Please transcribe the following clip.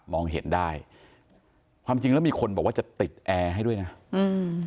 เห็นได้ความจริงแล้วมีคนบอกว่าจะติดแอร์ให้ด้วยนะอืม